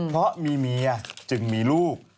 เพราะมีเมียจึงมีลูก